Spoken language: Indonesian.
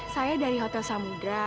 saya dari hotel samudera